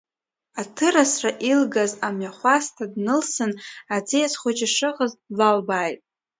Аҭырасра илгаз амҩахәасҭа днылсын, аӡиас хәыҷы шыҟаз длалбааит.